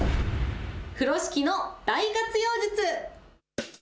風呂敷の大活用術。